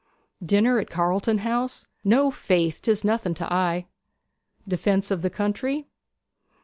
'"Dinner at Carlton House"?' 'No, faith. 'Tis nothing to I.' '"Defence of the country"?'